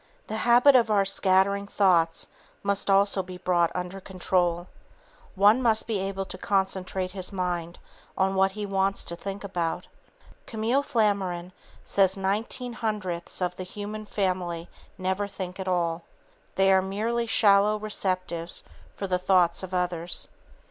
The habit of our scattering thoughts must also be brought under control. One must be able to concentrate his mind on what he wants to think about. Camille Flammarion says nineteen hundredths of the human family never think at all. They are merely shallow receptives for the thoughts of others.